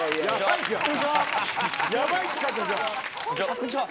こんにちは。